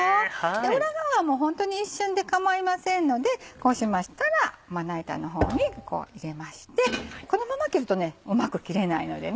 裏側もホントに一瞬で構いませんのでこうしましたらまな板の方にこう入れましてこのまま切るとうまく切れないのでね